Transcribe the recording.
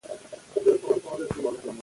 ځمکې او خاورې ډېرې خوښې دي.